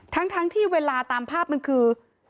ทั้งที่เวลาตามภาพมันคือ